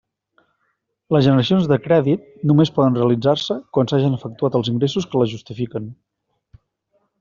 Les generacions de crèdit només poden realitzar-se quan s'hagen efectuat els ingressos que les justifiquen.